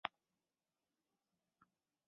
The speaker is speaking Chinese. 产生随机数有多种不同的方法。